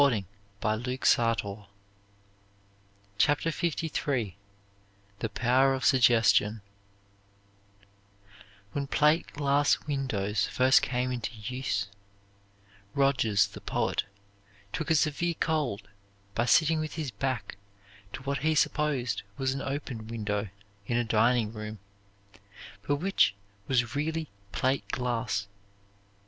What will you do with it? CHAPTER LIII THE POWER OF SUGGESTION When plate glass windows first came into use, Rogers, the poet, took a severe cold by sitting with his back to what he supposed was an open window in a dining room but which was really plate glass.